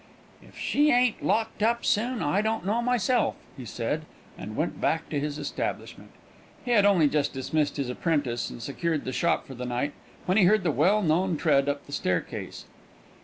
"If she ain't locked up soon, I don't know myself," he said, and went back to his establishment. He had only just dismissed his apprentice and secured the shop for the night, when he heard the well known tread up the staircase.